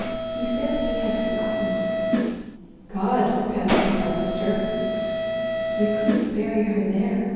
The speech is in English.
He said he had forgotten!" "God!" panted the Harvester. "We couldn't bury her there.